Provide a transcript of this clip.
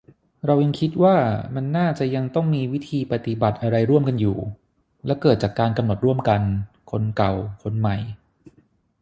เรายังคิดว่ามันน่าจะยังต้องมีวิธีปฏิบัติอะไรร่วมกันอยู่ - และเกิดจากการกำหนดร่วมกัน คนเก่า คนใหม่